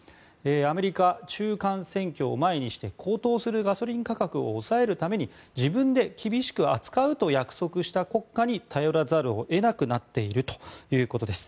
アメリカ中間選挙を前にして高騰するガソリン価格を抑えるために自分で厳しく扱うと約束した国家に頼らざるを得なくなっているということです。